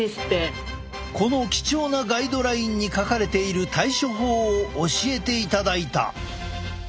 この貴重なガイドラインに書かれている対処法を教えていただいた！